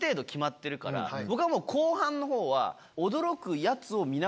僕はもう後半のほうは。